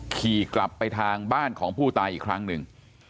ขี่กลับไปทางบ้านของผู้ตายอีกครั้งหนึ่ง